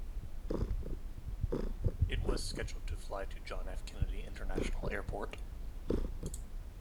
It was scheduled to fly to John F. Kennedy International Airport.